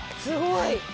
すごい！